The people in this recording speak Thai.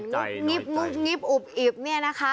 ที่บนงลบอิบเนี่ยนะคะ